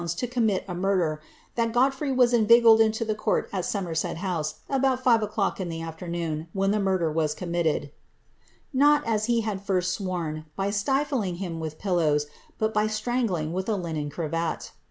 to commit a murder; that Godfrey was in veigled into the court at Somerset House, about five o^cIock in the after noon, when the murder was committed," not, as he had at first swoni, by stilling him with pillows, but by strangling with a linen cravat.